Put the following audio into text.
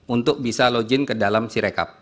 untuk bisa login ke dalam si rekap